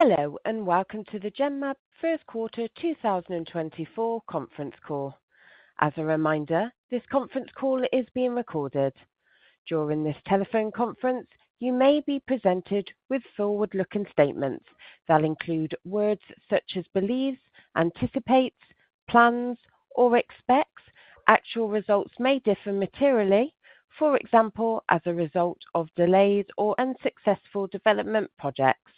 Hello and welcome to the Genmab First Quarter 2024 Conference Call. As a reminder, this conference call is being recorded. During this telephone conference, you may be presented with forward-looking statements that include words such as believes, anticipates, plans, or expects. Actual results may differ materially, for example, as a result of delays or unsuccessful development projects.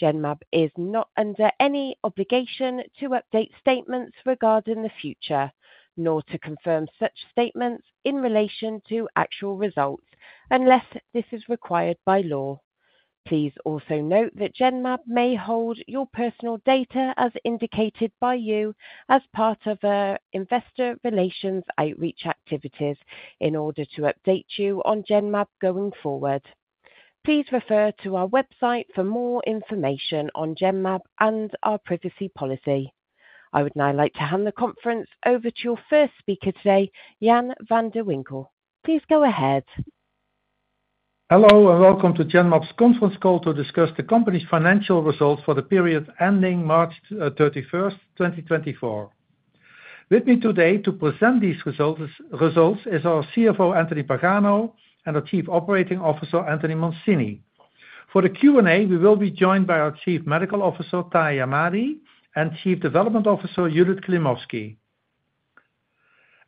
Genmab is not under any obligation to update statements regarding the future, nor to confirm such statements in relation to actual results, unless this is required by law. Please also note that Genmab may hold your personal data as indicated by you as part of our investor relations outreach activities in order to update you on Genmab going forward. Please refer to our website for more information on Genmab and our privacy policy. I would now like to hand the conference over to your first speaker today, Jan van de Winkel. Please go ahead. Hello and welcome to Genmab's conference call to discuss the company's financial results for the period ending March 31st, 2024. With me today to present these results is our CFO, Anthony Pagano, and our Chief Operating Officer, Anthony Mancini. For the Q&A, we will be joined by our Chief Medical Officer, Tahamtan Ahmadi, and Chief Development Officer, Judith Klimovsky.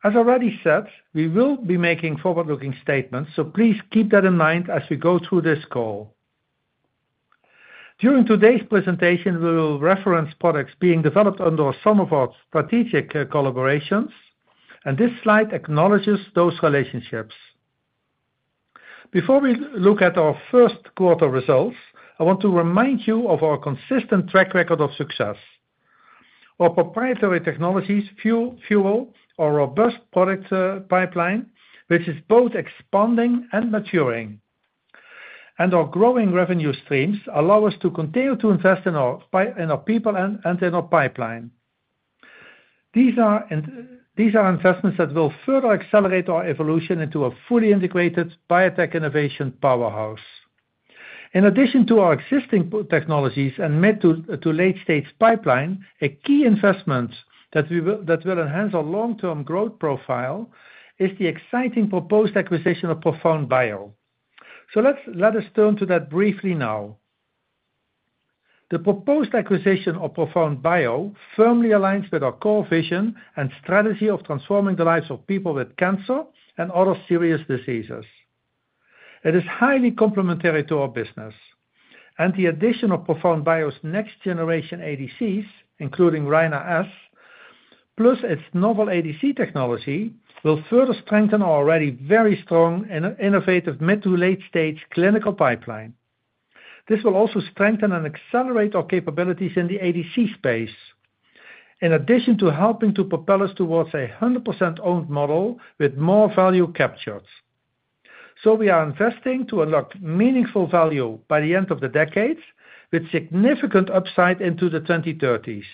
As already said, we will be making forward-looking statements, so please keep that in mind as we go through this call. During today's presentation, we will reference products being developed under some of our strategic collaborations, and this slide acknowledges those relationships. Before we look at our first quarter results, I want to remind you of our consistent track record of success. Our proprietary technologies, our robust product pipeline, which is both expanding and maturing, and our growing revenue streams allow us to continue to invest in our people and in our pipeline. These are investments that will further accelerate our evolution into a fully integrated biotech innovation powerhouse. In addition to our existing technologies and mid- to late-stage pipeline, a key investment that will enhance our long-term growth profile is the exciting proposed acquisition of ProfoundBio. So let us turn to that briefly now. The proposed acquisition of ProfoundBio firmly aligns with our core vision and strategy of transforming the lives of people with cancer and other serious diseases. It is highly complementary to our business, and the addition of ProfoundBio's next-generation ADCs, including Rina-S, plus its novel ADC technology, will further strengthen our already very strong and innovative mid- to late-stage clinical pipeline. This will also strengthen and accelerate our capabilities in the ADC space, in addition to helping to propel us towards a 100% owned model with more value captured. So we are investing to unlock meaningful value by the end of the decade, with significant upside into the 2030s.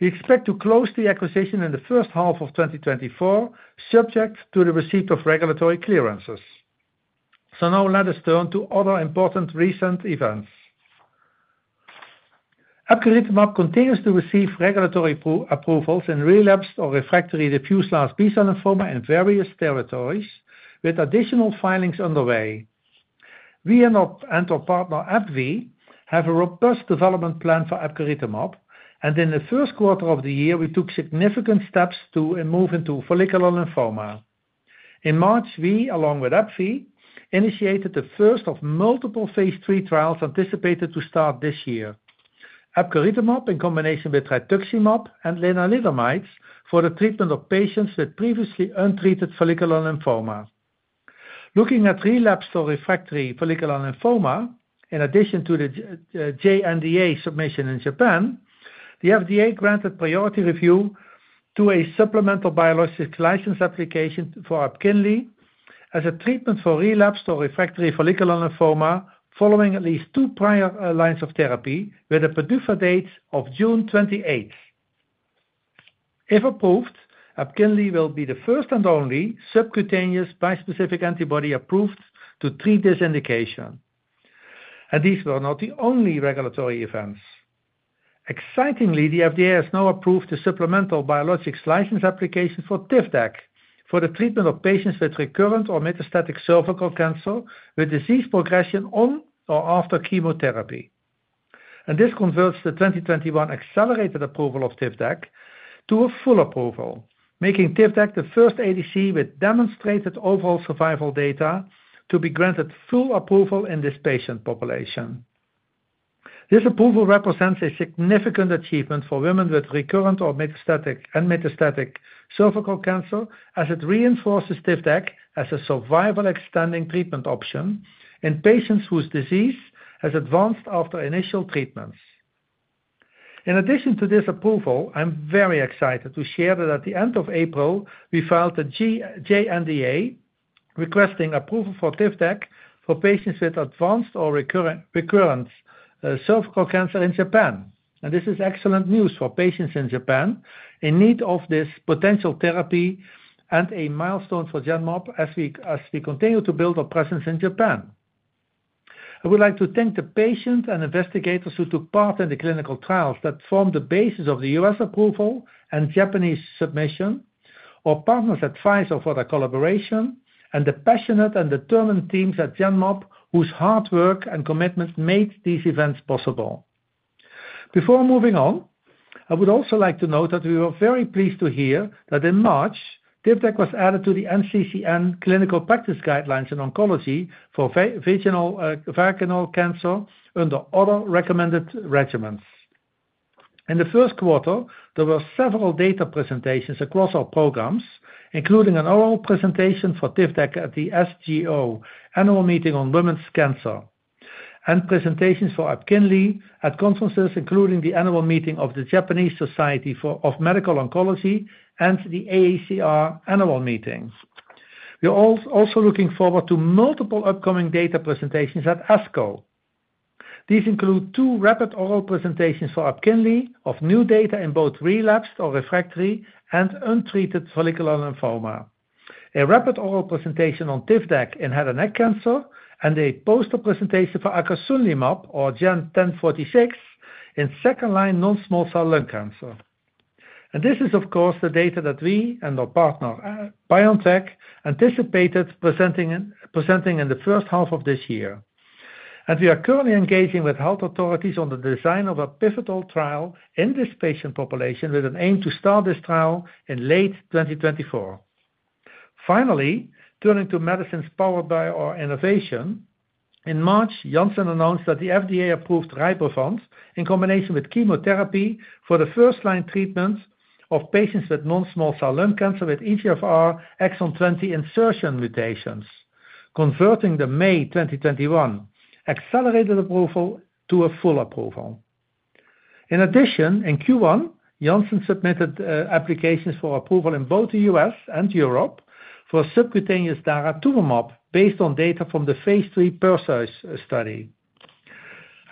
We expect to close the acquisition in the first half of 2024, subject to the receipt of regulatory clearances. So now let us turn to other important recent events. Epcoritamab continues to receive regulatory approvals in relapsed or refractory diffuse large B-cell lymphoma in various territories, with additional filings underway. We and our partner, AbbVie, have a robust development plan for epcoritamab, and in the first quarter of the year, we took significant steps to move into follicular lymphoma. In March, we, along with AbbVie, initiated the first of multiple phase III trials anticipated to start this year: epcoritamab in combination with rituximab and lenalidomide for the treatment of patients with previously untreated follicular lymphoma. Looking at relapsed or refractory follicular lymphoma, in addition to the JNDA submission in Japan, the FDA granted priority review to a supplemental biologic license application for EPKINLY as a treatment for relapsed or refractory follicular lymphoma following at least two prior lines of therapy, with a PDUFA date of June 28th. If approved, EPKINLY will be the first and only subcutaneous bispecific antibody approved to treat this indication. These were not the only regulatory events. Excitingly, the FDA has now approved a supplemental biologics license application for TIVDAK for the treatment of patients with recurrent or metastatic cervical cancer with disease progression on or after chemotherapy. This converts the 2021 accelerated approval of TIVDAK to a full approval, making TIVDAK the first ADC with demonstrated overall survival data to be granted full approval in this patient population. This approval represents a significant achievement for women with recurrent or metastatic cervical cancer, as it reinforces TIVDAK as a survival-extending treatment option in patients whose disease has advanced after initial treatments. In addition to this approval, I'm very excited to share that at the end of April, we filed a JNDA requesting approval for TIVDAK for patients with advanced or recurrent cervical cancer in Japan. This is excellent news for patients in Japan in need of this potential therapy and a milestone for Genmab as we continue to build our presence in Japan. I would like to thank the patients and investigators who took part in the clinical trials that formed the basis of the U.S. approval and Japanese submission, our partners at Pfizer for their collaboration, and the passionate and determined teams at Genmab whose hard work and commitment made these events possible. Before moving on, I would also like to note that we were very pleased to hear that in March, TIVDAK was added to the NCCN Clinical Practice Guidelines in Oncology for vaginal cancer under other recommended regimens. In the first quarter, there were several data presentations across our programs, including an oral presentation for TIVDAK at the SGO Annual Meeting on Women's Cancer and presentations for EPKINLY at conferences, including the Annual Meeting of the Japanese Society for Medical Oncology and the AACR Annual Meeting. We are all also looking forward to multiple upcoming data presentations at ASCO. These include two rapid oral presentations for EPKINLY of new data in both relapsed or refractory and untreated follicular lymphoma, a rapid oral presentation on TIVDAK in head and neck cancer, and a poster presentation for acasunlimab or GEN1046 in second-line non-small cell lung cancer. This is, of course, the data that we and our partner, BioNTech, anticipated presenting in the first half of this year. We are currently engaging with health authorities on the design of a pivotal trial in this patient population with an aim to start this trial in late 2024. Finally, turning to medicines powered by our innovation, in March, Janssen announced that the FDA approved RYBREVANT in combination with chemotherapy for the first-line treatment of patients with non-small cell lung cancer with EGFR exon 20 insertion mutations, converting the May 2021 accelerated approval to a full approval. In addition, in Q1, Janssen submitted applications for approval in both the U.S. and Europe for subcutaneous daratumumab based on data from the phase III PERSEUS study.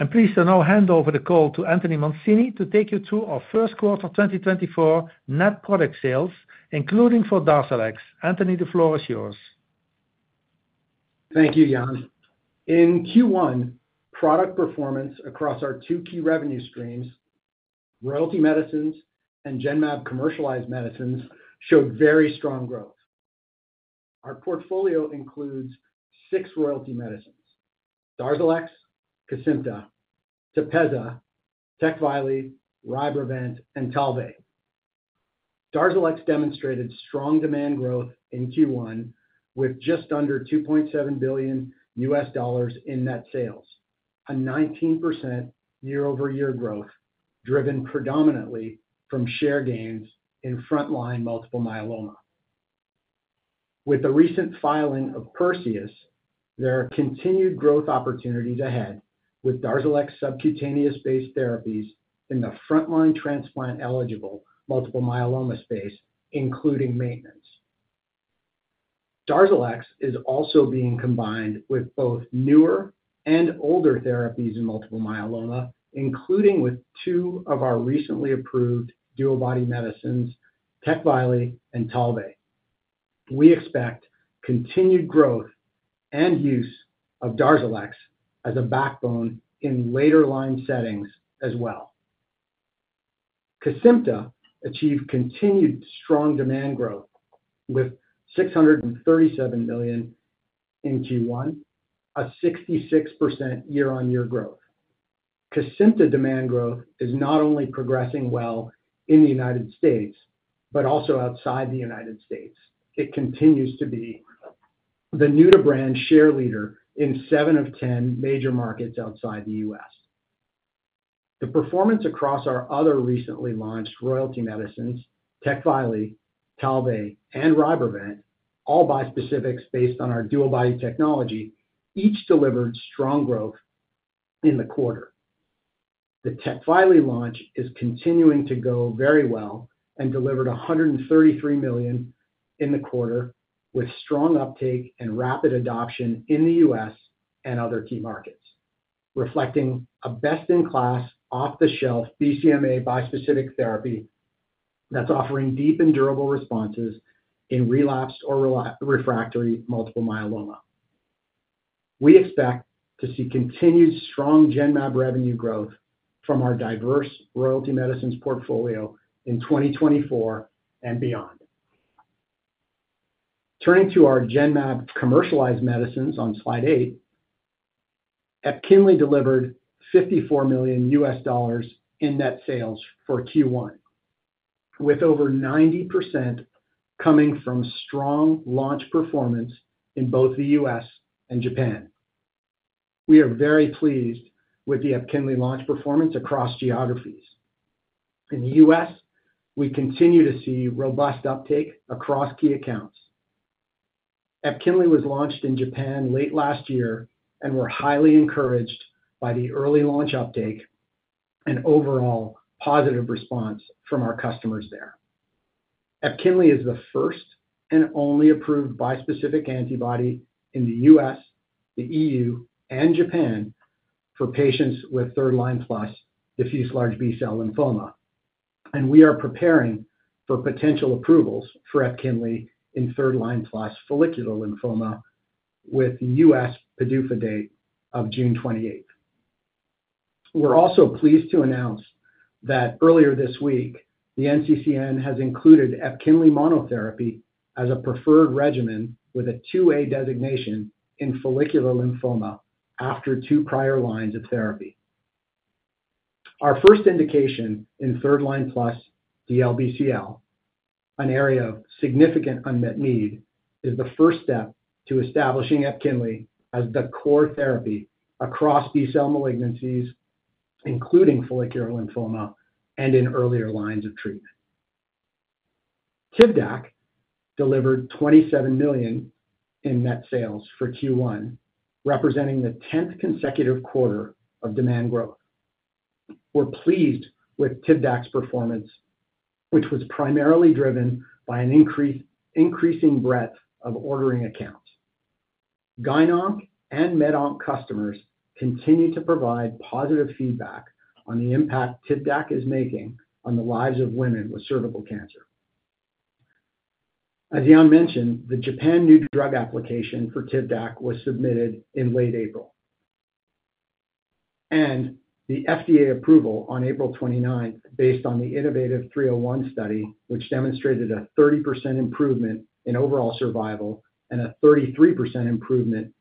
I'm pleased to now hand over the call to Anthony Mancini to take you through our first quarter 2024 net product sales, including for DARZALEX. Anthony, the floor is yours. Thank you, Jan. In Q1, product performance across our two key revenue streams, royalty medicines and Genmab commercialized medicines, showed very strong growth. Our portfolio includes six royalty medicines: DARZALEX, KESIMPTA, TEPEZZA, TECVAYLI, RYBREVANT, and TALVEY. DARZALEX demonstrated strong demand growth in Q1 with just under $2.7 billion in net sales, a 19% year-over-year growth driven predominantly from share gains in front-line multiple myeloma. With the recent filing of PERSEUS, there are continued growth opportunities ahead with DARZALEX subcutaneous-based therapies in the front-line transplant-eligible multiple myeloma space, including maintenance. DARZALEX is also being combined with both newer and older therapies in multiple myeloma, including with two of our recently approved DuoBody medicines, TECVAYLI and TALVEY. We expect continued growth and use of DARZALEX as a backbone in later-line settings as well. KESIMPTA achieved continued strong demand growth with $637 million in Q1, a 66% year-over-year growth. KESIMPTA demand growth is not only progressing well in the United States but also outside the United States. It continues to be the number one brand share leader in 7 of 10 major markets outside the U.S. The performance across our other recently launched royalty medicines, TECVAYLI, TALVEY, and RYBREVANT, all bispecifics based on our DuoBody technology, each delivered strong growth in the quarter. The TECVAYLI launch is continuing to go very well and delivered $133 million in the quarter with strong uptake and rapid adoption in the U.S. and other key markets, reflecting a best-in-class, off-the-shelf BCMA bispecific therapy that's offering deep and durable responses in relapsed or refractory multiple myeloma. We expect to see continued strong Genmab revenue growth from our diverse royalty medicines portfolio in 2024 and beyond. Turning to our Genmab commercialized medicines on slide eight, EPKINLY delivered $54 million in net sales for Q1, with over 90% coming from strong launch performance in both the U.S. and Japan. We are very pleased with the EPKINLY launch performance across geographies. In the U.S., we continue to see robust uptake across key accounts. EPKINLY was launched in Japan late last year and were highly encouraged by the early launch uptake and overall positive response from our customers there. EPKINLY is the first and only approved bispecific antibody in the U.S., the EU, and Japan for patients with third-line plus diffuse large B-cell lymphoma. We are preparing for potential approvals for EPKINLY in third-line plus follicular lymphoma with the U.S. PDUFA date of June 28th. We're also pleased to announce that earlier this week, the NCCN has included EPKINLY monotherapy as a preferred regimen with a 2A designation in follicular lymphoma after two prior lines of therapy. Our first indication in third-line plus DLBCL, an area of significant unmet need, is the first step to establishing EPKINLY as the core therapy across B-cell malignancies, including follicular lymphoma and in earlier lines of treatment. TIVDAK delivered $27 million in net sales for Q1, representing the 10th consecutive quarter of demand growth. We're pleased with TIVDAK's performance, which was primarily driven by an increasing breadth of ordering accounts. GYN/ONC and MED/ONC customers continue to provide positive feedback on the impact TIVDAK is making on the lives of women with cervical cancer. As Jan mentioned, the Japan New Drug Application for TIVDAK was submitted in late April, and the FDA approval on April 29th based on the innovaTV 301 study, which demonstrated a 30% improvement in overall survival and a 33% improvement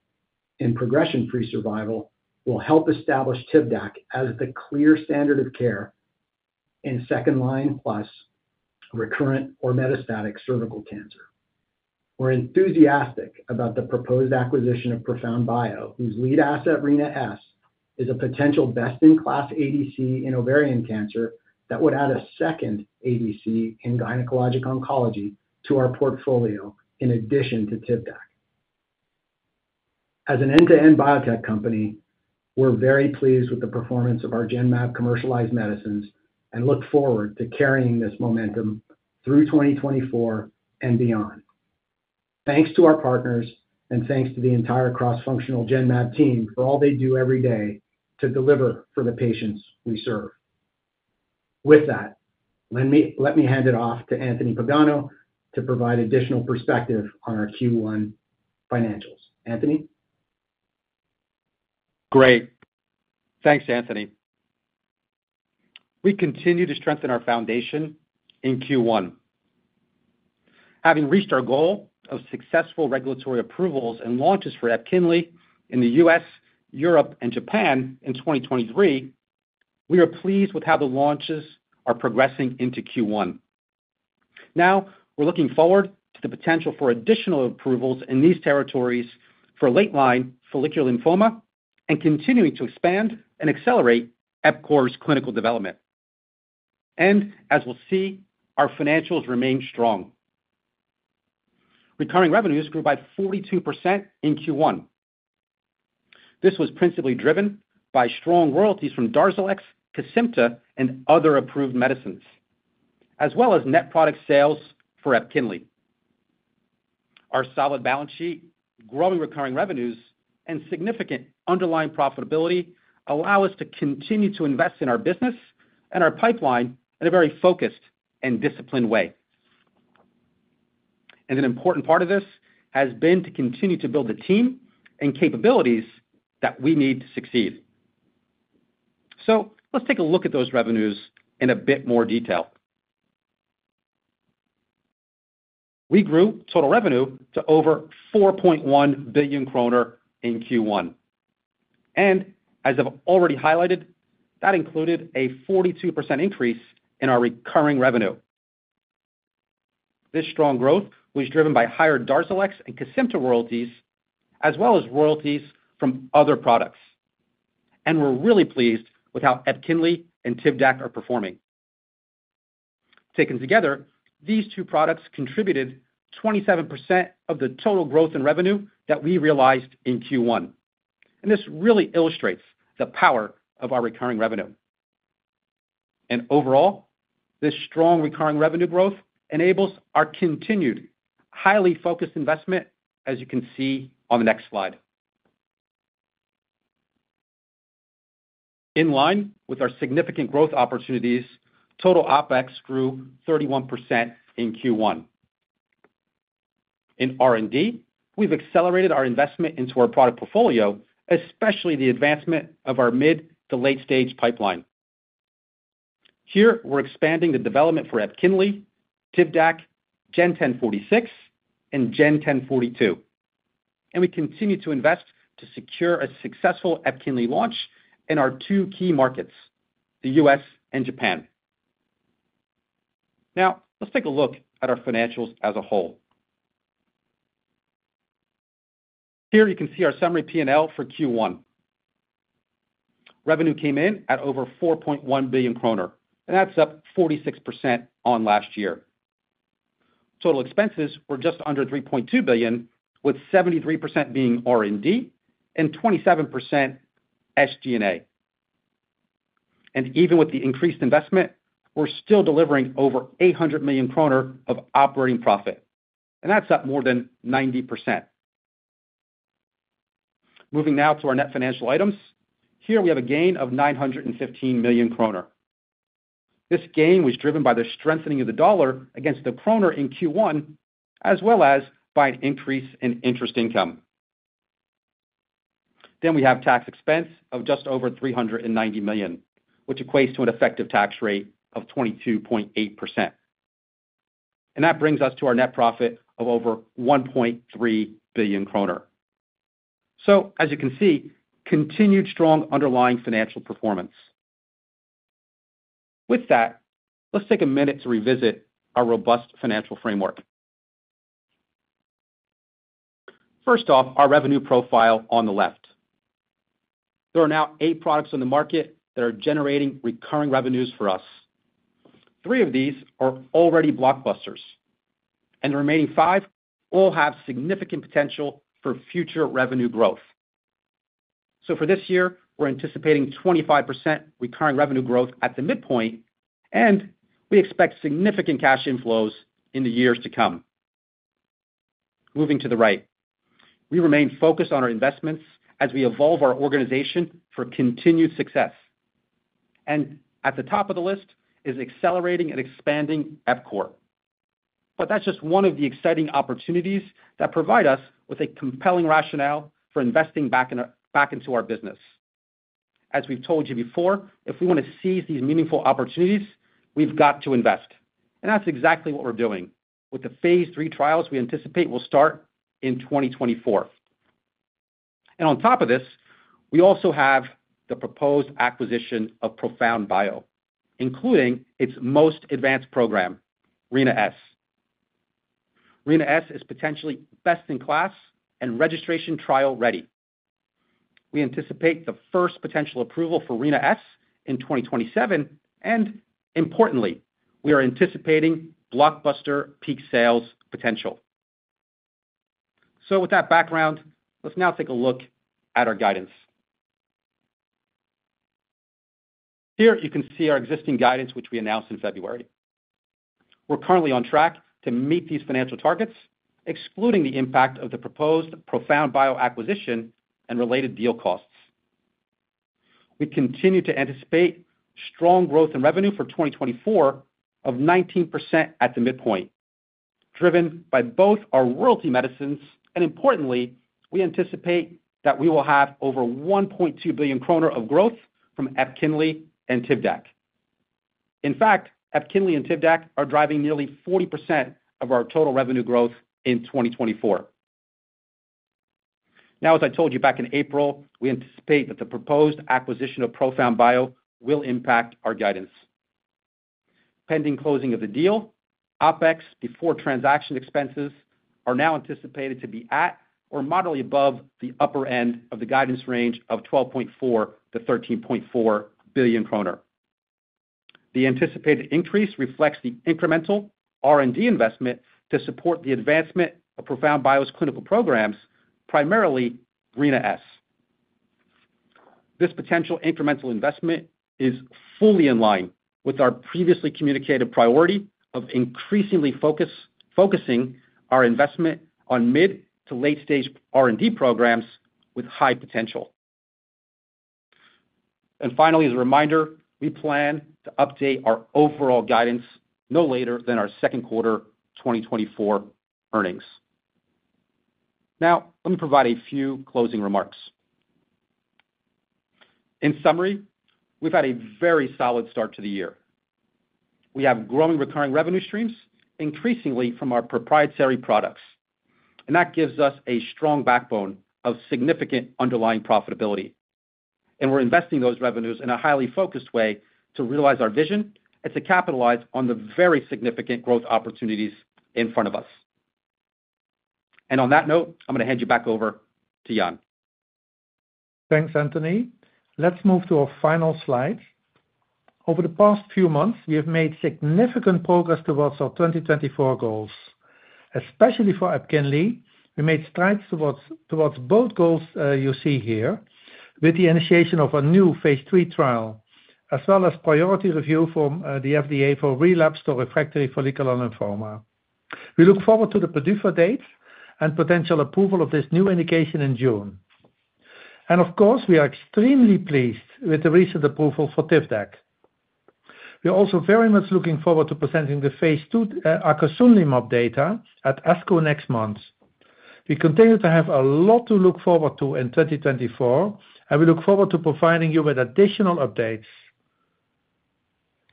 in progression-free survival, will help establish TIVDAK as the clear standard of care in second-line plus recurrent or metastatic cervical cancer. We're enthusiastic about the proposed acquisition of ProfoundBio, whose lead asset, Rina-S, is a potential best-in-class ADC in ovarian cancer that would add a second ADC in gynecologic oncology to our portfolio in addition to TIVDAK. As an end-to-end biotech company, we're very pleased with the performance of our Genmab commercialized medicines and look forward to carrying this momentum through 2024 and beyond. Thanks to our partners, and thanks to the entire cross-functional Genmab team for all they do every day to deliver for the patients we serve. With that, let me hand it off to Anthony Pagano to provide additional perspective on our Q1 financials. Anthony? Great. Thanks, Anthony. We continue to strengthen our foundation in Q1. Having reached our goal of successful regulatory approvals and launches for EPKINLY in the US, Europe, and Japan in 2023, we are pleased with how the launches are progressing into Q1. Now, we're looking forward to the potential for additional approvals in these territories for late-line follicular lymphoma and continuing to expand and accelerate EPKINLY's clinical development. And as we'll see, our financials remain strong. Recurring revenues grew by 42% in Q1. This was principally driven by strong royalties from DARZALEX, KESIMPTA, and other approved medicines, as well as net product sales for EPKINLY. Our solid balance sheet, growing recurring revenues, and significant underlying profitability allow us to continue to invest in our business and our pipeline in a very focused and disciplined way. An important part of this has been to continue to build the team and capabilities that we need to succeed. So let's take a look at those revenues in a bit more detail. We grew total revenue to over 4.1 billion kroner in Q1. As I've already highlighted, that included a 42% increase in our recurring revenue. This strong growth was driven by higher DARZALEX and KESIMPTA royalties, as well as royalties from other products. We're really pleased with how EPKINLY and TIVDAK are performing. Taken together, these two products contributed 27% of the total growth in revenue that we realized in Q1. This really illustrates the power of our recurring revenue. Overall, this strong recurring revenue growth enables our continued highly focused investment, as you can see on the next slide. In line with our significant growth opportunities, total OpEx grew 31% in Q1. In R&D, we've accelerated our investment into our product portfolio, especially the advancement of our mid- to late-stage pipeline. Here, we're expanding the development for EPKINLY, TIVDAK, GEN1046, and GEN1042. We continue to invest to secure a successful EPKINLY launch in our two key markets, the U.S. and Japan. Now, let's take a look at our financials as a whole. Here, you can see our summary P&L for Q1. Revenue came in at over 4.1 billion kroner, and that's up 46% on last year. Total expenses were just under 3.2 billion, with 73% being R&D and 27% SG&A. Even with the increased investment, we're still delivering over 800 million kroner of operating profit, and that's up more than 90%. Moving now to our net financial items, here we have a gain of 915 million kroner. This gain was driven by the strengthening of the dollar against the kroner in Q1, as well as by an increase in interest income. We have tax expense of just over 390 million, which equates to an effective tax rate of 22.8%. That brings us to our net profit of over 1.3 billion kroner. As you can see, continued strong underlying financial performance. With that, let's take a minute to revisit our robust financial framework. First off, our revenue profile on the left. There are now eight products on the market that are generating recurring revenues for us. Three of these are already blockbusters, and the remaining five all have significant potential for future revenue growth. For this year, we're anticipating 25% recurring revenue growth at the midpoint, and we expect significant cash inflows in the years to come. Moving to the right, we remain focused on our investments as we evolve our organization for continued success. At the top of the list is accelerating and expanding epcoritamab. That's just one of the exciting opportunities that provide us with a compelling rationale for investing back into our business. As we've told you before, if we want to seize these meaningful opportunities, we've got to invest. That's exactly what we're doing with the phase III trials we anticipate will start in 2024. On top of this, we also have the proposed acquisition of ProfoundBio, including its most advanced program, Rina-S. Rina-S is potentially best-in-class and registration trial-ready. We anticipate the first potential approval for Rina-S in 2027. Importantly, we are anticipating blockbuster peak sales potential. With that background, let's now take a look at our guidance. Here, you can see our existing guidance, which we announced in February. We're currently on track to meet these financial targets, excluding the impact of the proposed ProfoundBio acquisition and related deal costs. We continue to anticipate strong growth in revenue for 2024 of 19% at the midpoint, driven by both our royalty medicines. And importantly, we anticipate that we will have over 1.2 billion kroner of growth from EPKINLY and TIVDAK. In fact, EPKINLY and TIVDAK are driving nearly 40% of our total revenue growth in 2024. Now, as I told you back in April, we anticipate that the proposed acquisition of ProfoundBio will impact our guidance. Pending closing of the deal, OpEx before transaction expenses are now anticipated to be at or moderately above the upper end of the guidance range of 12.4 billion-13.4 billion kroner. The anticipated increase reflects the incremental R&D investment to support the advancement of ProfoundBio's clinical programs, primarily Rina-S. This potential incremental investment is fully in line with our previously communicated priority of increasingly focusing our investment on mid- to late-stage R&D programs with high potential. Finally, as a reminder, we plan to update our overall guidance no later than our second quarter 2024 earnings. Now, let me provide a few closing remarks. In summary, we've had a very solid start to the year. We have growing recurring revenue streams, increasingly from our proprietary products. That gives us a strong backbone of significant underlying profitability. We're investing those revenues in a highly focused way to realize our vision and to capitalize on the very significant growth opportunities in front of us. On that note, I'm going to hand you back over to Jan. Thanks, Anthony. Let's move to our final slide. Over the past few months, we have made significant progress towards our 2024 goals, especially for EPKINLY. We made strides towards both goals you see here with the initiation of a new phase III trial, as well as priority review from the FDA for relapsed or refractory follicular lymphoma. We look forward to the PDUFA date and potential approval of this new indication in June. Of course, we are extremely pleased with the recent approval for TIVDAK. We are also very much looking forward to presenting the phase II acasunlimab data at ASCO next month. We continue to have a lot to look forward to in 2024, and we look forward to providing you with additional updates.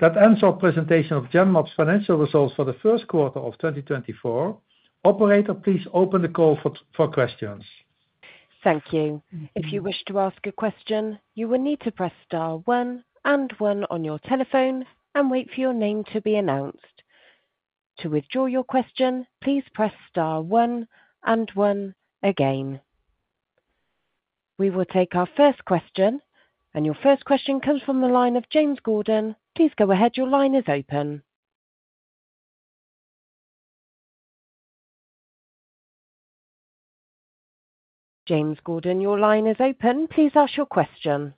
That ends our presentation of Genmab's financial results for the first quarter of 2024. Operator, please open the call for questions. Thank you. If you wish to ask a question, you will need to press star one and one on your telephone and wait for your name to be announced. To withdraw your question, please press star one and one again. We will take our first question, and your first question comes from the line of James Gordon. Please go ahead. Your line is open. James Gordon, your line is open. Please ask your question.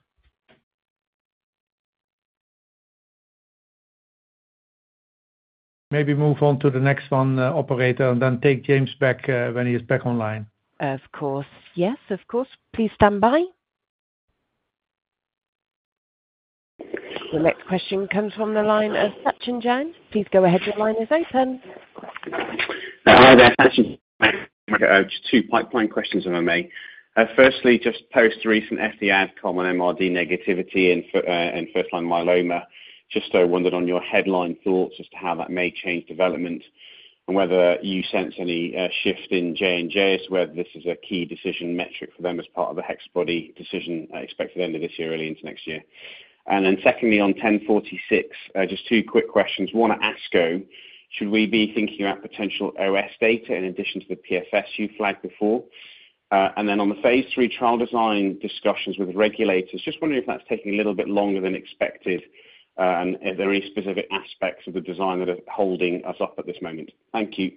Maybe move on to the next one, Operator, and then take James back when he is back online. Of course. Yes, of course. Please stand by. The next question comes from the line of Sachin Jain. Please go ahead. Your line is open. Hi, there, Sachin. 2 pipeline questions, if I may. Firstly, just post-recent FDA Adcom on MRD negativity and first-line myeloma. Just wondered on your headline thoughts as to how that may change development and whether you sense any shift in J&J as to whether this is a key decision metric for them as part of a HexaBody decision expected end of this year, early into next year. And then secondly, on 1046, just 2 quick questions. One, at ASCO, should we be thinking about potential OS data in addition to the PFS you flagged before? And then on the phase III trial design discussions with regulators, just wondering if that's taking a little bit longer than expected and if there are any specific aspects of the design that are holding us up at this moment. Thank you.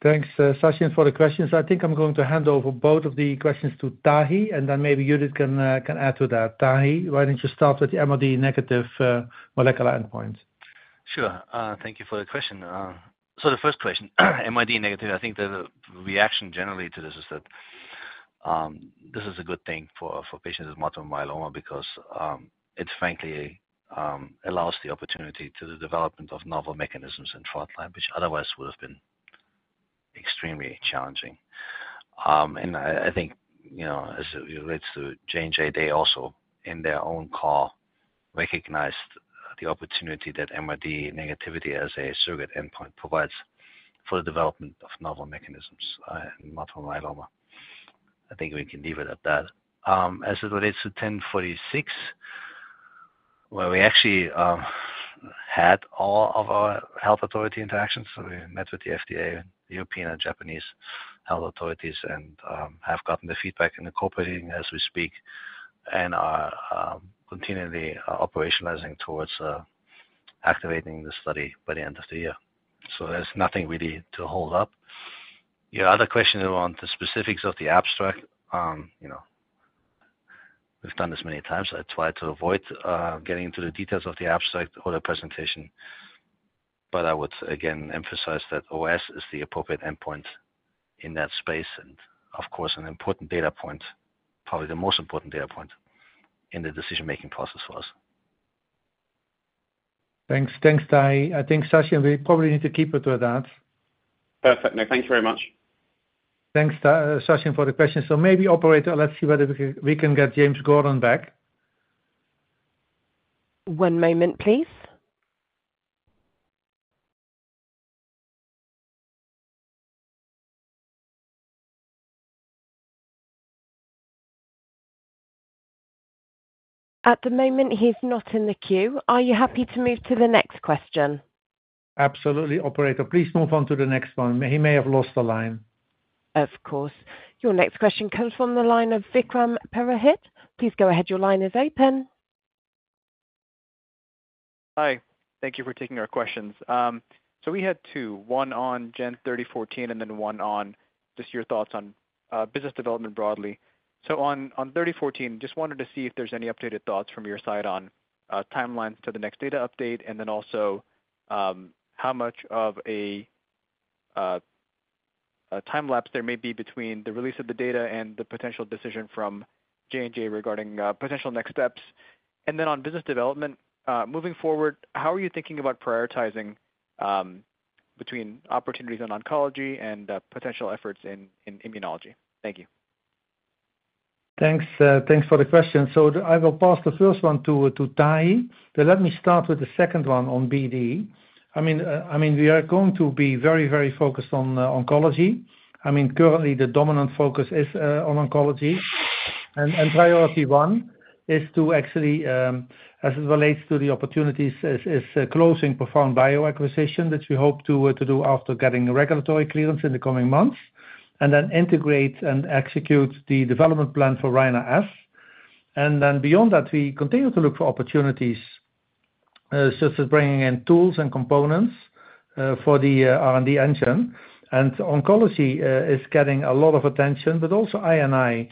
Thanks, Sachin, for the questions. I think I'm going to hand over both of the questions to Tahi, and then maybe Judith can add to that. Tahi, why don't you start with the MRD negative molecular endpoint? Sure. Thank you for the question. So the first question, MRD negative. I think the reaction generally to this is that this is a good thing for patients with multiple myeloma because it, frankly, allows the opportunity to the development of novel mechanisms in frontline, which otherwise would have been extremely challenging. And I think, as it relates to J&J, they also, in their own call, recognized the opportunity that MRD negativity as a surrogate endpoint provides for the development of novel mechanisms in multiple myeloma. I think we can leave it at that. As it relates to 1046, where we actually had all of our health authority interactions, so we met with the FDA, the European, and Japanese health authorities, and have gotten the feedback and incorporating as we speak and are continually operationalizing towards activating the study by the end of the year. So there's nothing really to hold up. Your other question around the specifics of the abstract. We've done this many times. I tried to avoid getting into the details of the abstract or the presentation, but I would, again, emphasize that OS is the appropriate endpoint in that space and, of course, an important data point, probably the most important data point in the decision-making process for us. Thanks. Thanks, Tahi. I think, Sachin, we probably need to keep it to that. Perfect. No, thank you very much. Thanks, Sachin, for the question. So maybe, Operator, let's see whether we can get James Gordon back. One moment, please. At the moment, he's not in the queue. Are you happy to move to the next question? Absolutely, Operator. Please move on to the next one. He may have lost the line. Of course. Your next question comes from the line of Vikram Purohit. Please go ahead. Your line is open. Hi. Thank you for taking our questions. We had two, one on GEN3014 and then one on just your thoughts on business development broadly. On GEN3014, just wanted to see if there's any updated thoughts from your side on timelines to the next data update and then also how much of a time lapse there may be between the release of the data and the potential decision from J&J regarding potential next steps? On business development, moving forward, how are you thinking about prioritizing between opportunities in oncology and potential efforts in immunology? Thank you. Thanks. Thanks for the question. So I will pass the first one to Tahi. But let me start with the second one on BD. I mean, we are going to be very, very focused on oncology. I mean, currently, the dominant focus is on oncology. And priority one is to actually, as it relates to the opportunities, is closing ProfoundBio acquisition, which we hope to do after getting regulatory clearance in the coming months, and then integrate and execute the development plan for Rina-S. And then beyond that, we continue to look for opportunities such as bringing in tools and components for the R&D engine. And oncology is getting a lot of attention, but also INI,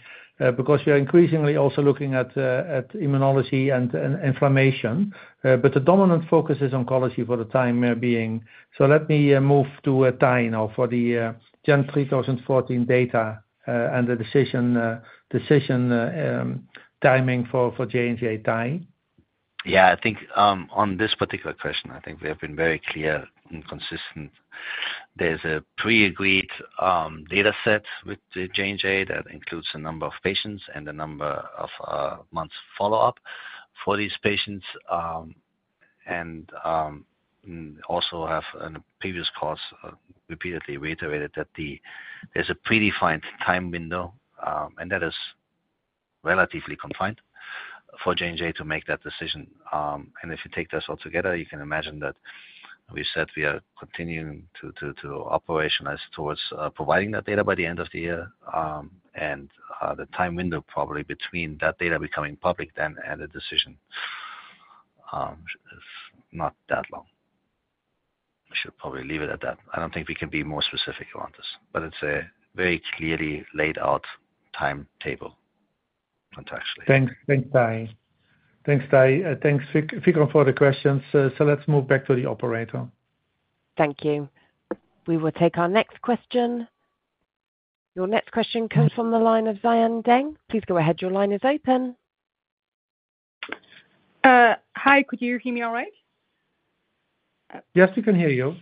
because we are increasingly also looking at immunology and inflammation. But the dominant focus is oncology for the time being. Let me move to Tahamtan now for the GEN3014 data and the decision timing for J&J, Tahamtan. Yeah. I think on this particular question, I think we have been very clear and consistent. There's a pre-agreed dataset with J&J that includes a number of patients and a number of months' follow-up for these patients. And also have in previous calls repeatedly reiterated that there's a predefined time window, and that is relatively confined for J&J to make that decision. And if you take this all together, you can imagine that we said we are continuing to operationalize towards providing that data by the end of the year. And the time window probably between that data becoming public then and the decision is not that long. We should probably leave it at that. I don't think we can be more specific around this, but it's a very clearly laid out timetable, contextually. Thanks, Tahamtan. Thanks, Tahamtan. Thanks, Vikram, for the questions. So let's move back to the Operator. Thank you. We will take our next question. Your next question comes from the line of Xian Deng. Please go ahead. Your line is open. Hi. Could you hear me all right? Yes, we can hear you.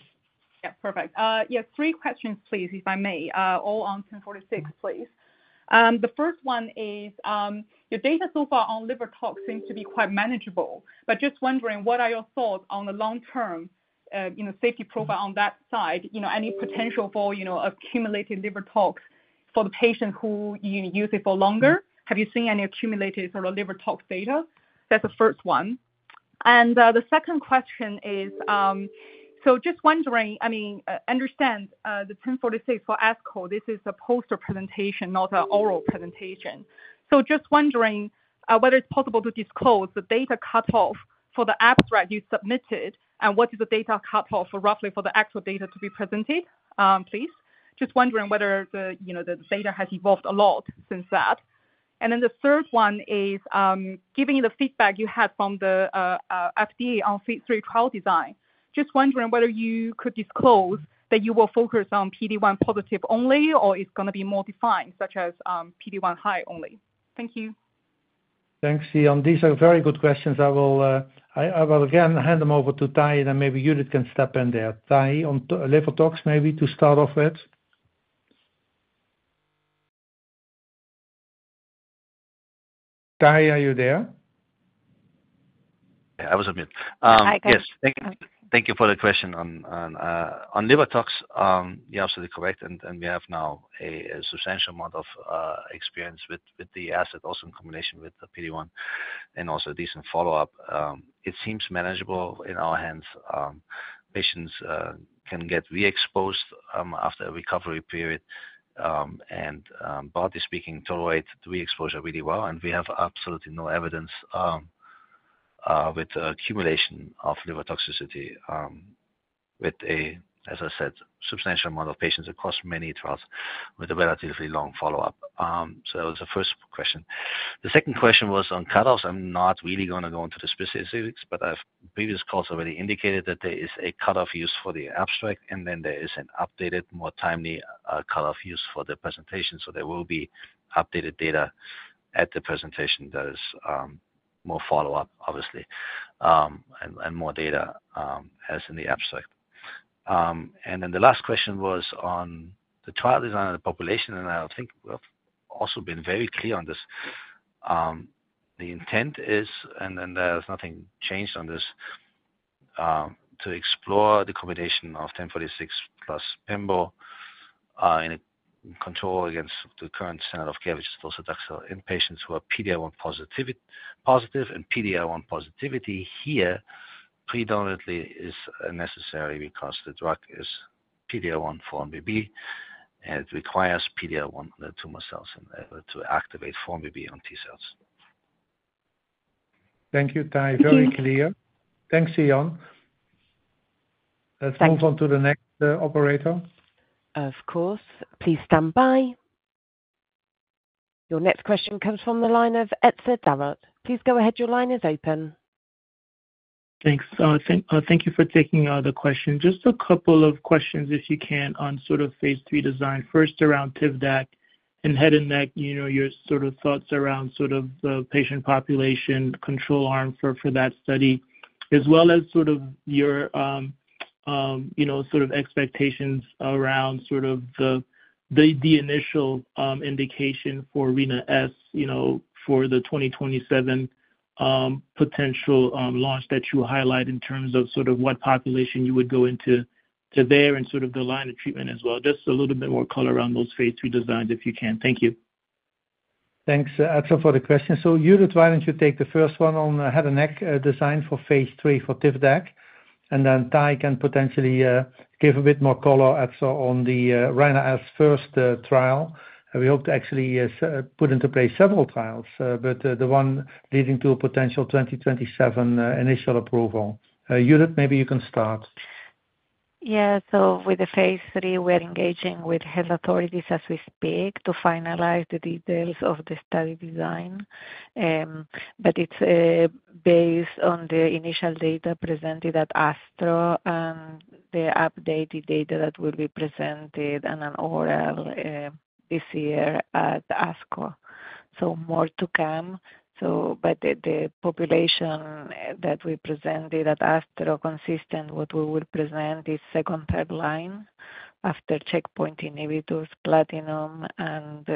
Yeah. Perfect. Yeah. 3 questions, please, if I may, all on 1046, please. The first one is, your data so far on liver tox seems to be quite manageable. Just wondering, what are your thoughts on the long-term safety profile on that side? Any potential for accumulated liver tox for the patient who use it for longer? Have you seen any accumulated sort of liver tox data? That's the first one. The second question is, just wondering, I mean, understand the 1046 for ASCO, this is a poster presentation, not an oral presentation. Just wondering whether it's possible to disclose the data cutoff for the abstract you submitted and what is the data cutoff roughly for the actual data to be presented, please? Just wondering whether the data has evolved a lot since that. And then the third one is, given the feedback you had from the FDA on phase III trial design, just wondering whether you could disclose that you will focus on PD1 positive only or it's going to be more defined, such as PD1 high only? Thank you. Thanks, Xian. These are very good questions. I will, again, hand them over to Tahamtan, and then maybe Judith can step in there. Tahamtan, on liver tox maybe to start off with? Tahamtan, are you there? I was on mute. Hi, guys. Yes. Thank you for the question. On liver tox, you're absolutely correct. And we have now a substantial amount of experience with the asset, also in combination with the PD1 and also decent follow-up. It seems manageable in our hands. Patients can get re-exposed after a recovery period. And broadly speaking, tolerate the re-exposure really well. And we have absolutely no evidence of accumulation of liver toxicity with, as I said, substantial amount of patients across many trials with a relatively long follow-up. So that was the first question. The second question was on cutoffs. I'm not really going to go into the specifics, but previous calls already indicated that there is a cutoff used for the abstract, and then there is an updated, more timely cutoff used for the presentation. So there will be updated data at the presentation. There is more follow-up, obviously, and more data as in the abstract. And then the last question was on the trial design and the population. And I think we've also been very clear on this. The intent is, and then there's nothing changed on this, to explore the combination of 1046+ pembro in control against the current standard of care, which is docetaxel in patients who are PD-L1 positive. And PD-L1 positivity here predominantly is necessary because the drug is PD-L1-4-1BB, and it requires PD-L1 on the tumor cells to activate 4-1BB on T cells. Thank you, Tahamtan. Very clear. Thanks, Xian. Let's move on to the next Operator. Of course. Please stand by. Your next question comes from the line of Qize Ding. Please go ahead. Your line is open. Thanks. Thank you for taking the question. Just a couple of questions, if you can, on sort of phase III design. First, around TIVDAK and head and neck, your sort of thoughts around sort of the patient population control arm for that study, as well as sort of your sort of expectations around sort of the initial indication for Rina-S for the 2027 potential launch that you highlight in terms of sort of what population you would go into there and sort of the line of treatment as well. Just a little bit more color around those phase III designs, if you can. Thank you. Thanks, Qize, for the question. So Judith, why don't you take the first one on head and neck design for phase III for TIVDAK? And then Tahi can potentially give a bit more color, Qize, on the Rina-S first trial. We hope to actually put into place several trials, but the one leading to a potential 2027 initial approval. Judith, maybe you can start. Yeah. So with the phase III, we are engaging with health authorities as we speak to finalize the details of the study design. But it's based on the initial data presented at ASTRO and the updated data that will be presented as an oral this year at ASCO. So more to come. But the population that we presented at ASTRO, consistent with what we will present, is second, third line after checkpoint inhibitors, platinum, and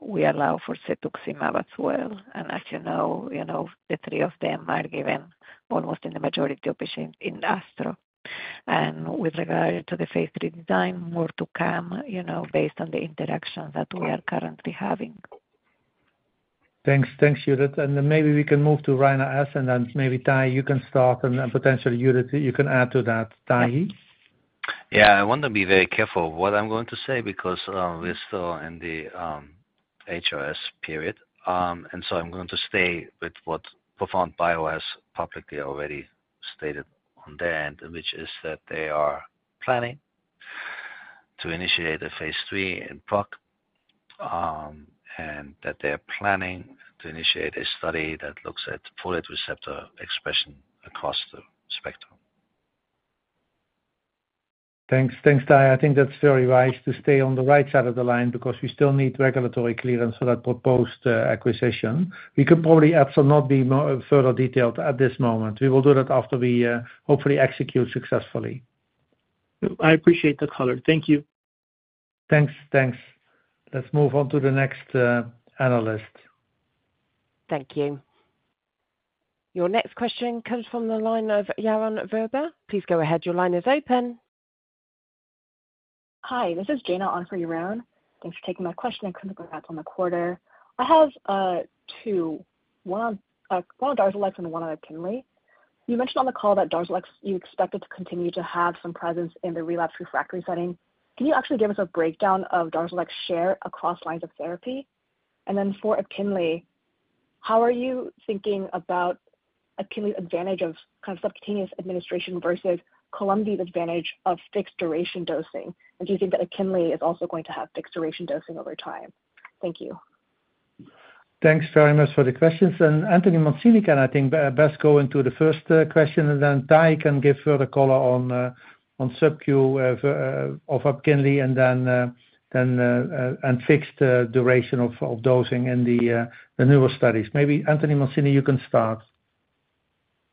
we allow for cetuximab as well. And as you know, the three of them are given almost in the majority of patients in ASTRO. And with regard to the phase III design, more to come based on the interactions that we are currently having. Thanks. Thanks, Judith. And then maybe we can move to Rina-S. And then maybe, Tahi, you can start and potentially, Judith, you can add to that. Tahi? Yeah. I want to be very careful what I'm going to say because we're still in the HOS period. And so I'm going to stay with what ProfoundBio has publicly already stated on their end, which is that they are planning to initiate a phase III in PROC and that they are planning to initiate a study that looks at folate receptor expression across the spectrum. Thanks. Thanks, Tahi. I think that's very wise to stay on the right side of the line because we still need regulatory clearance for that proposed acquisition. We could probably, Qize, not be further detailed at this moment. We will do that after we hopefully execute successfully. I appreciate the color. Thank you. Thanks. Thanks. Let's move on to the next analyst. Thank you. Your next question comes from the line of Yaron Werber. Please go ahead. Your line is open. Hi. This is Yana Anfri-Rone. Thanks for taking my question. I couldn't go back on the quarter. I have two, one on DARZALEX and one on EPKINLY. You mentioned on the call that DARZALEX, you expected to continue to have some presence in the relapse refractory setting. Can you actually give us a breakdown of DARZALEX share across lines of therapy? And then for EPKINLY, how are you thinking about EPKINLY's advantage of kind of subcutaneous administration versus Columvi's advantage of fixed-duration dosing? And do you think that EPKINLY is also going to have fixed-duration dosing over time? Thank you. Thanks very much for the questions. Anthony Mancini, can I think best go into the first question? Then Tahi can give further color on sub-Q of EPKINLY and then fixed-duration of dosing in the newer studies. Maybe Anthony Mancini, you can start.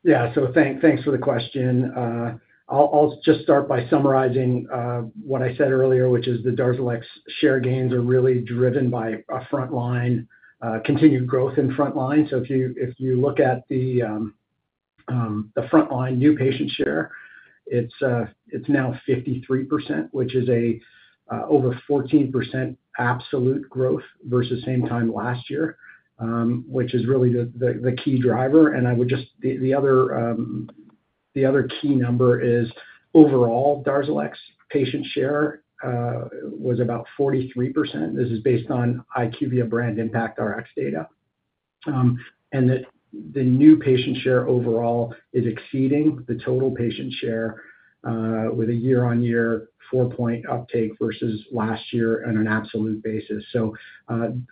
Yeah. So thanks for the question. I'll just start by summarizing what I said earlier, which is the DARZALEX share gains are really driven by a frontline, continued growth in frontline. So if you look at the frontline new patient share, it's now 53%, which is over 14% absolute growth versus same time last year, which is really the key driver. And the other key number is overall DARZALEX patient share was about 43%. This is based on IQVIA brand impact Rx data. And the new patient share overall is exceeding the total patient share with a year-on-year 4-point uptake versus last year on an absolute basis. So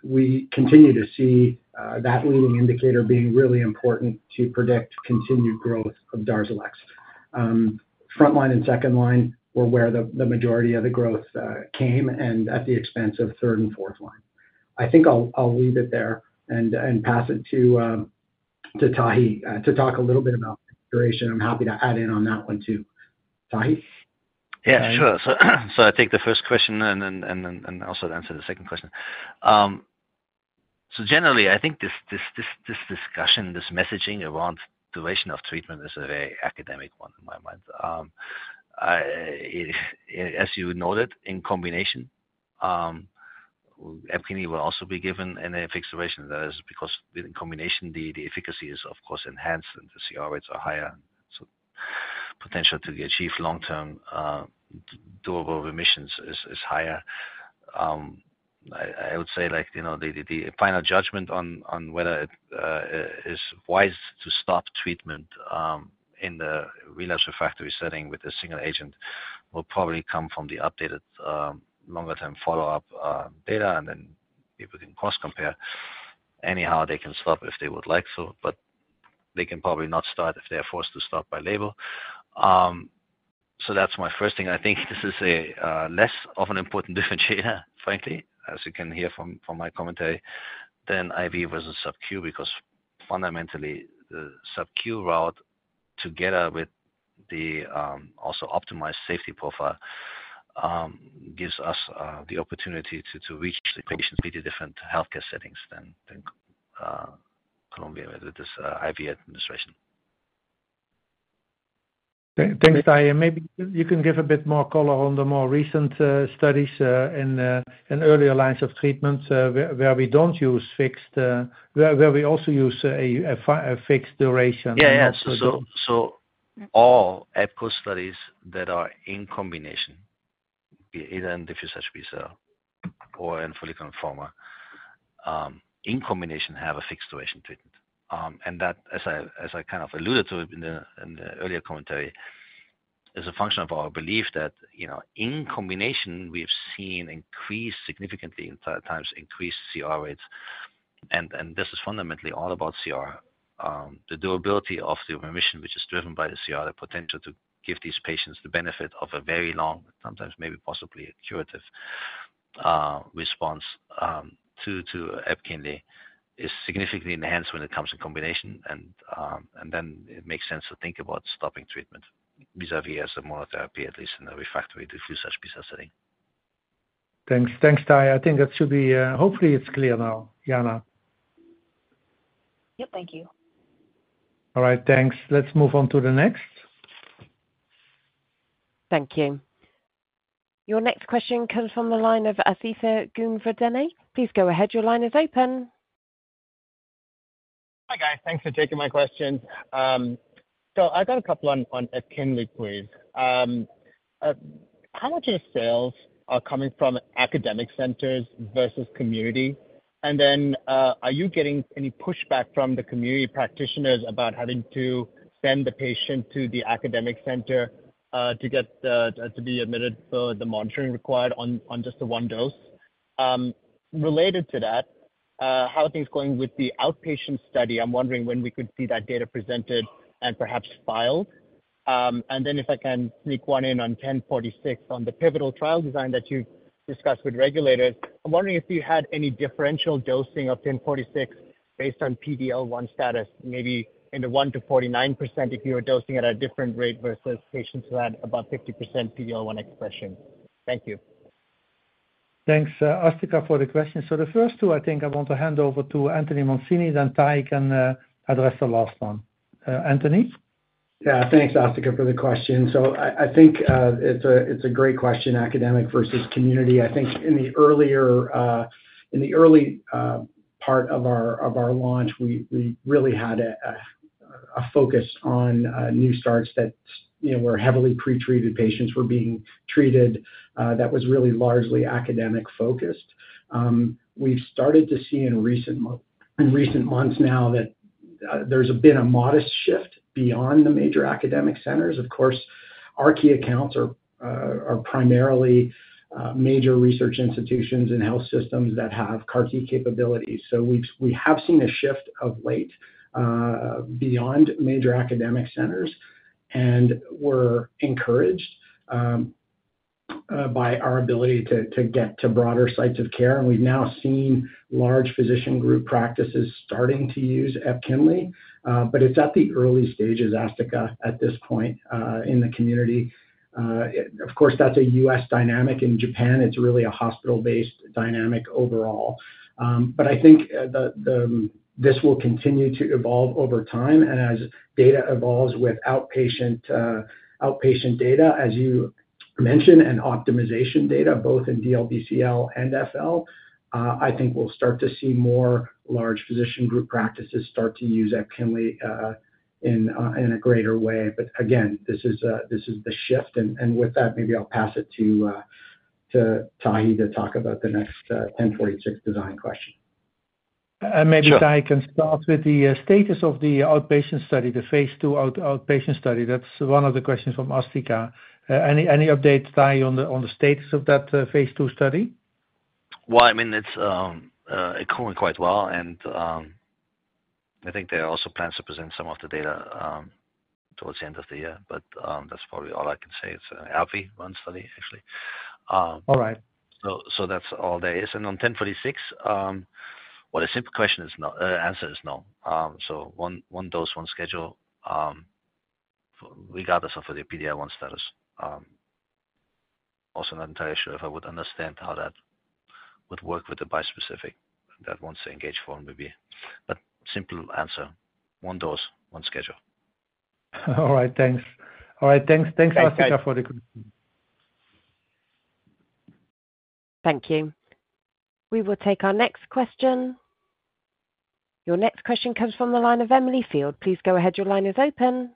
we continue to see that leading indicator being really important to predict continued growth of DARZALEX. Frontline and second line were where the majority of the growth came and at the expense of third and fourth line. I think I'll leave it there and pass it to Tahamtan to talk a little bit about duration. I'm happy to add in on that one too. Tahamtan? Yeah. Sure. So I think the first question and also answer the second question. So generally, I think this discussion, this messaging around duration of treatment is a very academic one in my mind. As you noted, in combination, EPKINLY will also be given an efficacy duration. That is because in combination, the efficacy is, of course, enhanced and the CR rates are higher. So potential to achieve long-term durable remissions is higher. I would say the final judgment on whether it is wise to stop treatment in the relapsed/refractory setting with a single agent will probably come from the updated longer-term follow-up data. And then people can cross-compare. Anyhow, they can stop if they would like to, but they can probably not start if they are forced to stop by label. So that's my first thing. I think this is less of an important differentiator, frankly, as you can hear from my commentary, than IV versus sub-Q because fundamentally, the sub-Q route together with the also optimized safety profile gives us the opportunity to reach the patients in pretty different healthcare settings than with IV administration. Thanks, Tahamtan. And maybe you can give a bit more color on the more recent studies and earlier lines of treatment where we don't use fixed where we also use a fixed duration. Yeah. Yeah. So all EPKINLY studies that are in combination, either in DLBCL or in follicular lymphoma, in combination have a fixed duration treatment. And that, as I kind of alluded to in the earlier commentary, is a function of our belief that in combination, we've seen increased significantly in times increased CR rates. And this is fundamentally all about CR. The durability of the remission, which is driven by the CR, the potential to give these patients the benefit of a very long, sometimes maybe possibly a curative response to EPKINLY, is significantly enhanced when it comes in combination. And then it makes sense to think about stopping treatment vis-à-vis as a monotherapy, at least in the refractory DLBCL setting. Thanks. Thanks, Tahamtan. I think that should be, hopefully, it's clear now, Jan. Yep. Thank you. All right. Thanks. Let's move on to the next. Thank you. Your next question comes from the line of Asthika Goonewardene. Please go ahead. Your line is open. Hi, guys. Thanks for taking my question. So I've got a couple on EPKINLY, please. How much of your sales are coming from academic centers versus community? And then are you getting any pushback from the community practitioners about having to send the patient to the academic center to be admitted for the monitoring required on just the one dose? Related to that, how are things going with the outpatient study? I'm wondering when we could see that data presented and perhaps filed. And then if I can sneak one in on 1046 on the pivotal trial design that you've discussed with regulators, I'm wondering if you had any differential dosing of 1046 based on PD-L1 status, maybe in the 1%-49% if you were dosing at a different rate versus patients who had about 50% PD-L1 expression. Thank you. Thanks, Asthika, for the question. So the first two, I think I want to hand over to Anthony Mancini. Then Tahi can address the last one. Anthony? Yeah. Thanks, Asthika, for the question. So I think it's a great question, academic versus community. I think in the earlier part of our launch, we really had a focus on new starts that were heavily pretreated patients were being treated, that was really largely academic-focused. We've started to see in recent months now that there's been a modest shift beyond the major academic centers. Of course, our key accounts are primarily major research institutions and health systems that have CAR-T capabilities. So we have seen a shift of late beyond major academic centers. And we're encouraged by our ability to get to broader sites of care. And we've now seen large physician group practices starting to use EPKINLY. But it's at the early stages, Asthika, at this point in the community. Of course, that's a U.S. dynamic. In Japan, it's really a hospital-based dynamic overall. But I think this will continue to evolve over time. And as data evolves with outpatient data, as you mentioned, and optimization data, both in DLBCL and FL, I think we'll start to see more large physician group practices start to use EPKINLY in a greater way. But again, this is the shift. And with that, maybe I'll pass it to Tahi to talk about the next 1046 design question. Maybe Tahi can start with the status of the outpatient study, the phase II outpatient study. That's one of the questions from Asthika. Any updates, Tahi, on the status of that phase II study? Well, I mean, it's going quite well. And I think they also plan to present some of the data towards the end of the year. But that's probably all I can say. It's an ARCHI-run study, actually. So that's all there is. And on 1046, what a simple question is, the answer is no. So one dose, one schedule, regardless of the PD-L1 status. Also, I'm not entirely sure if I would understand how that would work with the bispecific that wants to engage 4-1BB maybe. But simple answer, one dose, one schedule. All right. Thanks. All right. Thanks, Asthika, for the question. Thank you. We will take our next question. Your next question comes from the line of Emily Field. Please go ahead. Your line is open.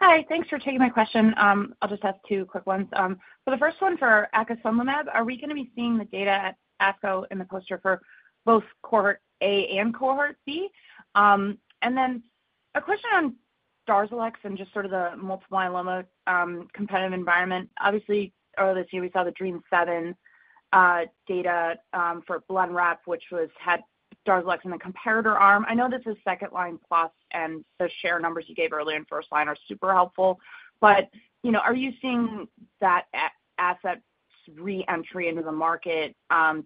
Hi. Thanks for taking my question. I'll just ask two quick ones. For the first one, for acasunlimab, are we going to be seeing the data at ASCO in the poster for both cohort A and cohort B? And then a question on DARZALEX and just sort of the multiple myeloma competitive environment. Obviously, earlier this year, we saw the DREAM7 data for BLENREP, which had DARZALEX in the comparator arm. I know this is second-line plus. And the share numbers you gave earlier in first line are super helpful. But are you seeing that asset re-entry into the market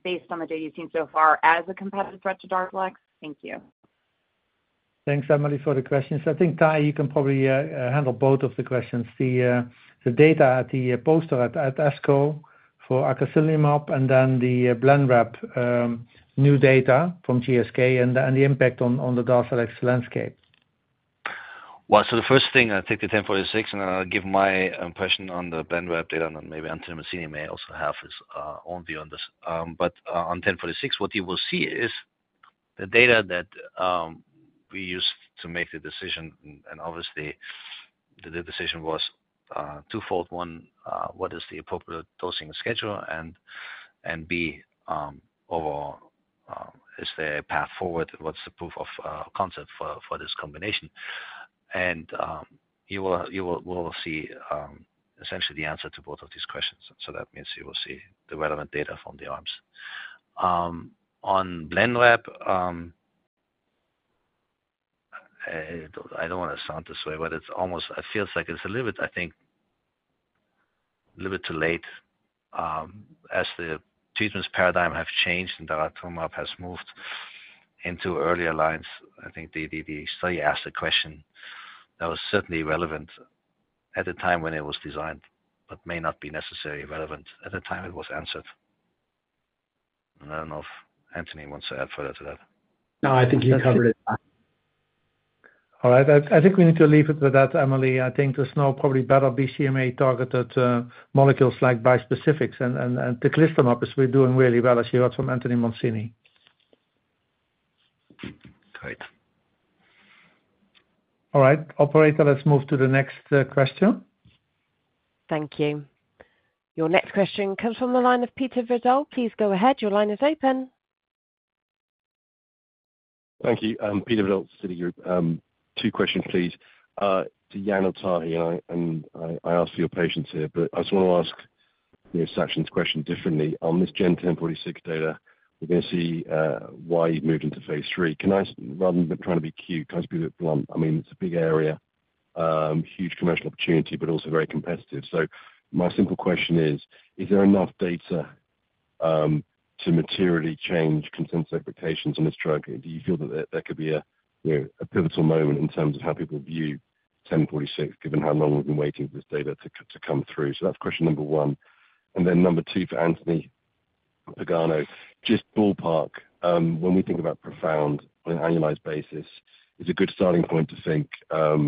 based on the data you've seen so far as a competitive threat to DARZALEX? Thank you. Thanks, Emily, for the questions. I think, Tahi, you can probably handle both of the questions. The data at the poster at ASCO for acasunlimab and then the Blenrep new data from GSK and the impact on the DARZALEX landscape. Well, so the first thing, I'll take the 1046, and then I'll give my impression on the Blenrep data. And then maybe Anthony Mancini may also have his own view on this. But on 1046, what you will see is the data that we used to make the decision. And obviously, the decision was twofold. One, what is the appropriate dosing schedule? And B, overall, is there a path forward? What's the proof of concept for this combination? And you will see essentially the answer to both of these questions. So that means you will see the relevant data from the arms. On Blenrep, I don't want to sound this way, but it feels like it's a little bit, I think, a little bit too late as the treatment paradigm has changed and daratumumab has moved into earlier lines. I think the study asked a question that was certainly relevant at the time when it was designed but may not be necessarily relevant at the time it was answered. I don't know if Anthony wants to add further to that. No, I think you covered it. All right. I think we need to leave it with that, Emily. I think there's now probably better BCMA-targeted molecules like bispecifics. And the teclistamab is doing really well. As you heard from Anthony Mancini. Great. All right. Operator, let's move to the next question. Thank you. Your next question comes from the line of Peter Verdult. Please go ahead. Your line is open. Thank you. Peter Verdult, Citi Group. 2 questions, please. To Jan and Tahi, and I asked for your patience here, but I just want to ask Sachin's question differently. On this GEN1046 data, we're going to see why you've moved into phase III. Rather than trying to be cute, can I speak a bit bluntly? I mean, it's a big area, huge commercial opportunity, but also very competitive. So my simple question is, is there enough data to materially change consensus expectations on this drug? Do you feel that there could be a pivotal moment in terms of how people view 1046, given how long we've been waiting for this data to come through? So that's question number 1. Number 2 for Anthony Pagano, just ballpark, when we think about ProfoundBio on an annualized basis, is a good starting point to think of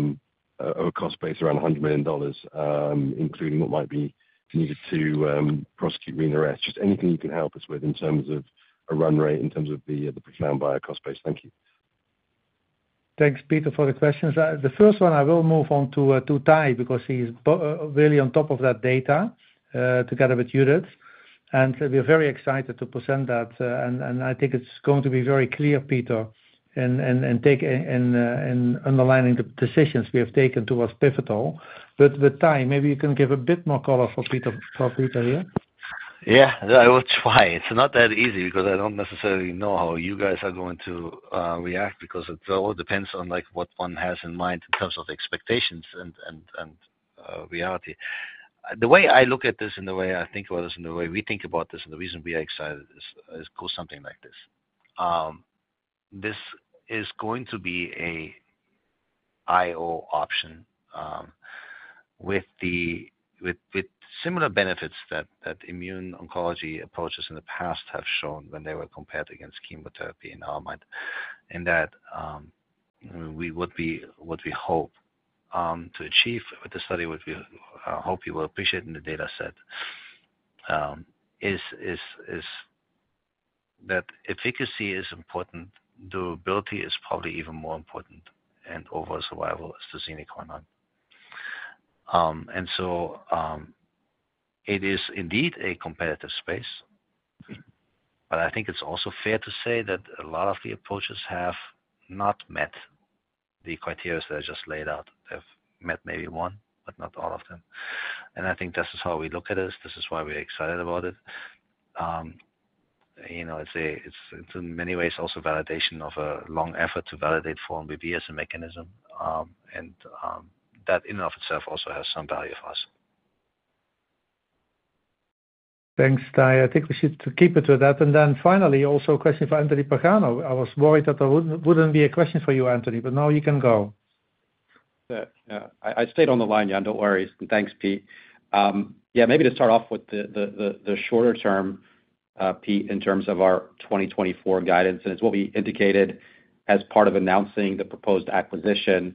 a cost base around $100 million, including what might be needed to prosecute Rina-S? Just anything you can help us with in terms of a run rate, in terms of the ProfoundBio cost base. Thank you. Thanks, Peter, for the questions. The first one, I will move on to Tahi because he's really on top of that data together with Judith. We're very excited to present that. I think it's going to be very clear, Peter, in underlining the decisions we have taken towards pivotal. But with Tahi, maybe you can give a bit more color for Peter here. Yeah. I will try. It's not that easy because I don't necessarily know how you guys are going to react because it all depends on what one has in mind in terms of expectations and reality. The way I look at this and the way I think about this and the way we think about this and the reason we are excited goes something like this. This is going to be an IO option with similar benefits that immune oncology approaches in the past have shown when they were compared against chemotherapy in our mind. And that's what we hope to achieve with the study, which we hope you will appreciate in the dataset, is that efficacy is important. Durability is probably even more important. And overall survival is the sine qua non. And so it is indeed a competitive space. I think it's also fair to say that a lot of the approaches have not met the criteria that I just laid out. They've met maybe one, but not all of them. I think this is how we look at it. This is why we're excited about it. It's, in many ways, also validation of a long effort to validate 4-1BB as a mechanism. That in and of itself also has some value for us. Thanks, Tahi. I think we should keep it to that. And then finally, also a question for Anthony Pagano. I was worried that there wouldn't be a question for you, Anthony, but now you can go. Yeah. Yeah. I stayed on the line, Jan. Don't worry. Thanks, Pete. Yeah. Maybe to start off with the shorter term, Pete, in terms of our 2024 guidance. It's what we indicated as part of announcing the proposed acquisition.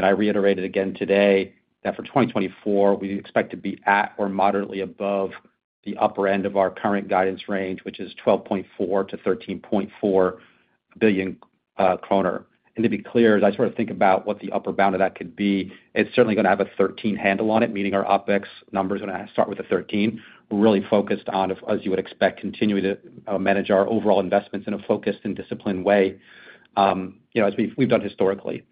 I reiterated again today that for 2024, we expect to be at or moderately above the upper end of our current guidance range, which is 12.4 billion-13.4 billion kroner. To be clear, as I sort of think about what the upper bound of that could be, it's certainly going to have a 13 handle on it, meaning our OpEx numbers are going to start with a 13. We're really focused on, as you would expect, continuing to manage our overall investments in a focused and disciplined way as we've done historically.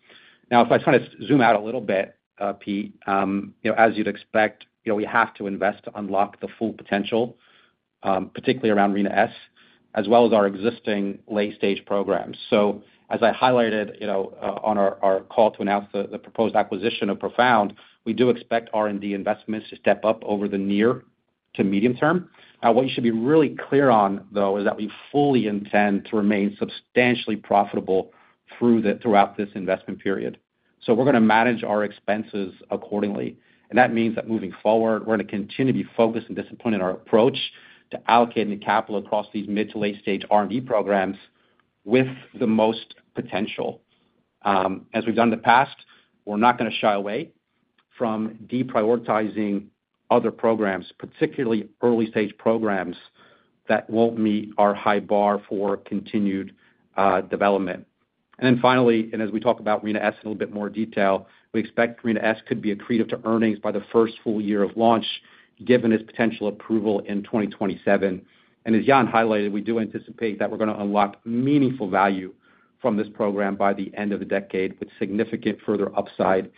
Now, if I try to zoom out a little bit, Pete, as you'd expect, we have to invest to unlock the full potential, particularly around Rina-S, as well as our existing late-stage programs. So as I highlighted on our call to announce the proposed acquisition of Profound, we do expect R&D investments to step up over the near- to medium-term. Now, what you should be really clear on, though, is that we fully intend to remain substantially profitable throughout this investment period. So we're going to manage our expenses accordingly. And that means that moving forward, we're going to continue to be focused and disciplined in our approach to allocating the capital across these mid- to late-stage R&D programs with the most potential. As we've done in the past, we're not going to shy away from deprioritizing other programs, particularly early-stage programs that won't meet our high bar for continued development. And then finally, and as we talk about Rina-S in a little bit more detail, we expect Rina-S could be accretive to earnings by the first full year of launch, given its potential approval in 2027. And as Jan highlighted, we do anticipate that we're going to unlock meaningful value from this program by the end of the decade with significant further upside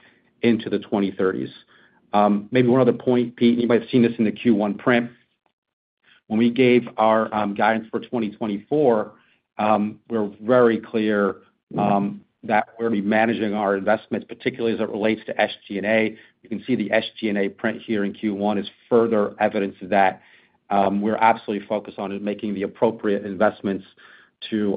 into the 2030s. Maybe one other point, Pete, and you might have seen this in the Q1 print. When we gave our guidance for 2024, we were very clear that we're going to be managing our investments, particularly as it relates to SG&A. You can see the SG&A print here in Q1 is further evidence of that. We're absolutely focused on making the appropriate investments to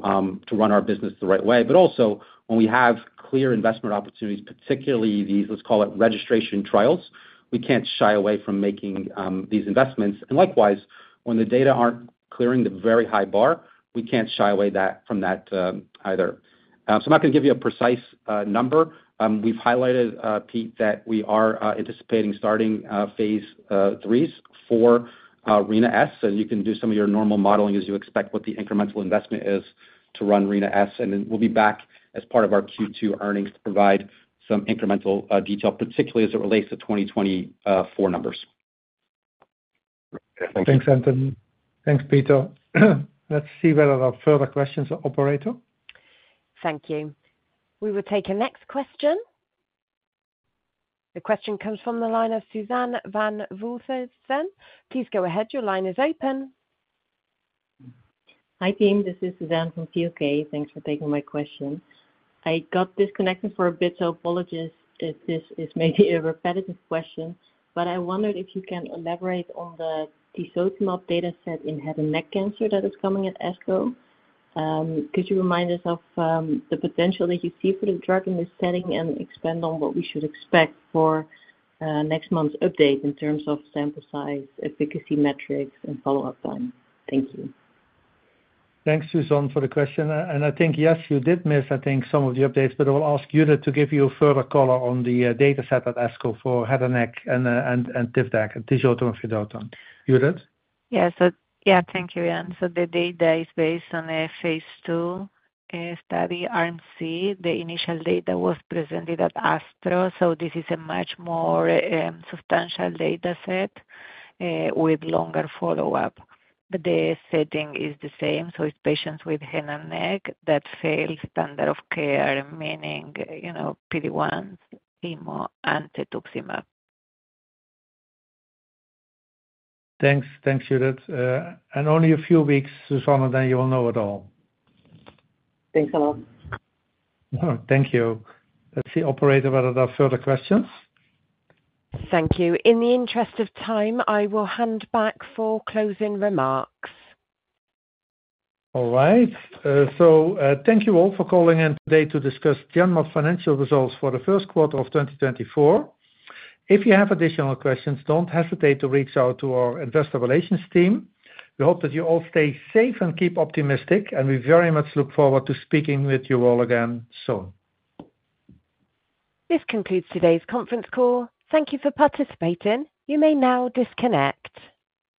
run our business the right way. But also, when we have clear investment opportunities, particularly these, let's call it, registration trials, we can't shy away from making these investments. And likewise, when the data aren't clearing the very high bar, we can't shy away from that either. So I'm not going to give you a precise number. We've highlighted, Pete, that we are anticipating starting phase IIIs for Rina-S. And you can do some of your normal modeling as you expect what the incremental investment is to run Rina-S. And then we'll be back as part of our Q2 earnings to provide some incremental detail, particularly as it relates to 2024 numbers. Thanks, Anthony. Thanks, Peter. Let's see whether there are further questions, Operator. Thank you. We will take a next question. The question comes from the line of Suzanne van Voorthuizen. Please go ahead. Your line is open. Hi, team. This is Suzanne from Piper. Thanks for taking my question. I got disconnected for a bit, so apologies if this is maybe a repetitive question. But I wondered if you can elaborate on the tisotumab dataset in head and neck cancer that is coming at ASCO. Could you remind us of the potential that you see for the drug in this setting and expand on what we should expect for next month's update in terms of sample size, efficacy metrics, and follow-up time? Thank you. Thanks, Suzanne, for the question. And I think, yes, you did miss, I think, some of the updates. But I will ask Judith to give you further color on the dataset at ASCO for head and neck and TIVDAK and tisotumab for the tumor. Judith? Yeah. So yeah, thank you, Jan. So the data is based on a phase II study, Arm C. The initial data was presented at ASTRO. So this is a much more substantial dataset with longer follow-up. But the setting is the same. So it's patients with head and neck that fail standard of care, meaning PD-1, chemo, and cetuximab. Thanks. Thanks, Judith. Only a few weeks, Suzanne, and then you will know it all. Thanks a lot. Thank you. Let's see, Operator, whether there are further questions. Thank you. In the interest of time, I will hand back for closing remarks. All right. Thank you all for calling in today to discuss Genmab financial results for the first quarter of 2024. If you have additional questions, don't hesitate to reach out to our investor relations team. We hope that you all stay safe and keep optimistic. We very much look forward to speaking with you all again soon. This concludes today's conference call. Thank you for participating. You may now disconnect.